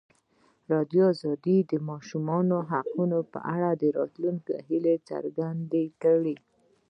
ازادي راډیو د د ماشومانو حقونه په اړه د راتلونکي هیلې څرګندې کړې.